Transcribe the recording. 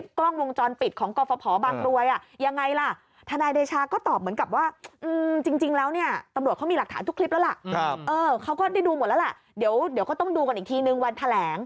ผมมองว่าไม่มีประโยชน์